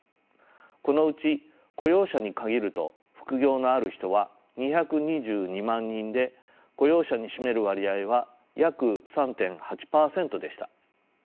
このうち雇用者に限ると副業のある人は２２２万人で雇用者に占める割合は約３．８％でした。